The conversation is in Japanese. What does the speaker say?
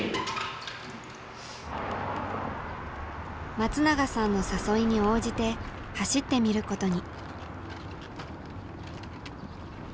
松永さんの誘いに応じて走ってみることに。